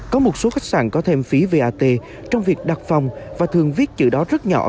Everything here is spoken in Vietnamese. có một số khách sạn có thêm phí vat trong việc đặt phòng và thường viết chữ đó rất nhỏ